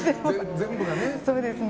全部がね。